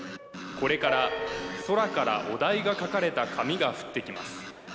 これから空からお題が書かれた紙が降ってきます